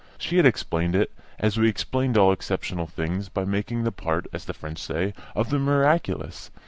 She had explained it, as we explain all exceptional things, by making the part, as the French say, of the miraculous.